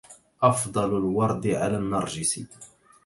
أفضل الورد على النرجس